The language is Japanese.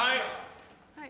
はい。